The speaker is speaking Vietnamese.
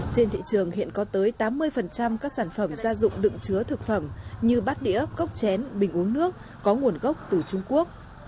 trên thị trường hiện có tới tám mươi các sản phẩm gia dụng đựng chứa thực phẩm như bát đĩa cốc chén bình uống nước có nguồn gốc từ trung quốc